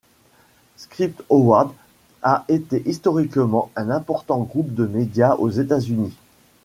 Scripps-Howard a été historiquement un important groupe de médias aux États-Unis.